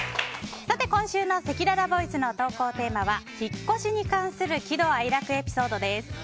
今週のせきららボイスの投稿テーマは引っ越しに関する喜怒哀楽エピソードです。